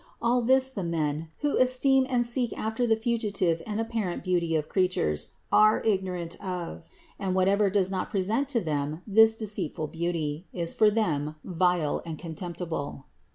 All this the men, who esteem and seek after the fugitive and apparent beauty of creatures, are ignorant of; and whatever does not present to them this deceitful beauty, is for them vile and contemptible.